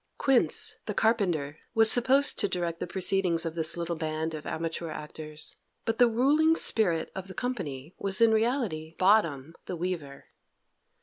Quince, the carpenter, was supposed to direct the proceedings of this little band of amateur actors, but the ruling spirit of the company was in reality Bottom, the weaver.